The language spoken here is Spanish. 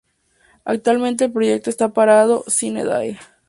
Actualmente el proyecto está parado sine die.